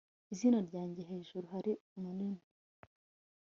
izina ryanjye hejuru hari mumuri